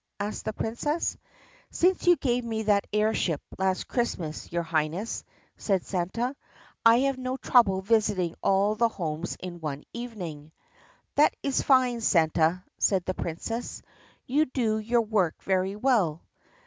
asked the Princess. "Since you gave me that air ship last Christmas, your High ness," said Santa, "I have no trouble visiting all the homes in one evening." "That is fine, Santa," said the Princess. "You do your work very well."